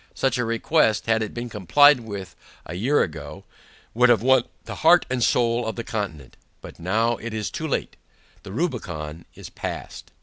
Such a request, had it been complied with a year ago, would have won the heart and soul of the Continent but now it is too late, "The Rubicon is passed."